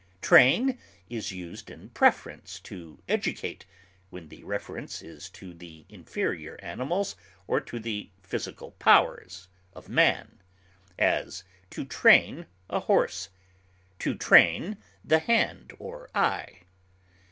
Train is used in preference to educate when the reference is to the inferior animals or to the physical powers of man; as, to train a horse; to train the hand or eye.